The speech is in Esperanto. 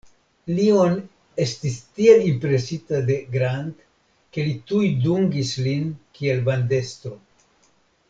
Lion estis tiel impresita de Grant, ke li tuj dungis lin kiel bandestro.